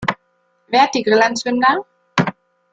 Wer hat die Grillanzünder?